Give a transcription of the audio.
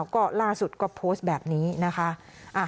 ก็ล่าสุดก็โพสต์แบบนี้นะคะ